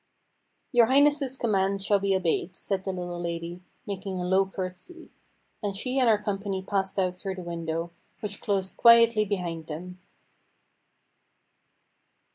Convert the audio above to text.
"Your Highness's commands shall be obeyed," said the little lady, making a low curtsy; and she and her company passed out through the window, which closed quietly behind them.